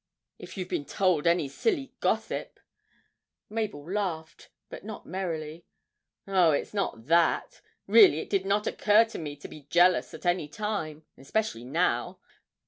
If you've been told any silly gossip ' Mabel laughed, but not merrily. 'Oh, it is not that really it did not occur to me to be jealous at any time especially now.